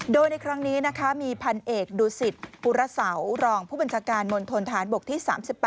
โดยในครั้งนี้นะคะมีพันเอกดูสิตปุระเสารองผู้บัญชาการมณฑนฐานบกที่๓๘